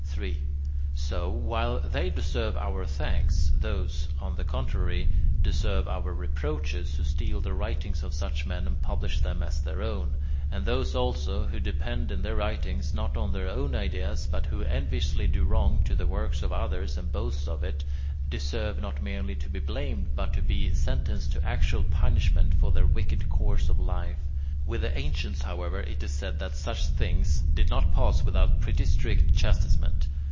3. So, while they deserve our thanks, those, on the contrary, deserve our reproaches, who steal the writings of such men and publish them as their own; and those also, who depend in their writings, not on their own ideas, but who enviously do wrong to the works of others and boast of it, deserve not merely to be blamed, but to be sentenced to actual punishment for their wicked course of life. With the ancients, however, it is said that such things did not pass without pretty strict chastisement.